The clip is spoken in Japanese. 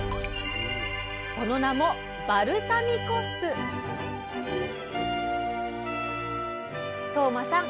その名も當間さん